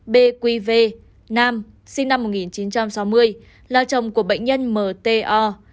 ba b q v nam sinh năm một nghìn chín trăm sáu mươi là chồng của bệnh nhân m t o